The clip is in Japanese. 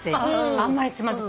あんまりつまずく。